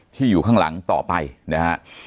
อยู่ข้างหลังต่อไปนะฮะ